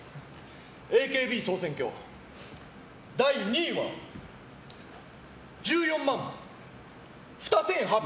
ＡＫＢ総選挙、第２位は１４万ふた千八百。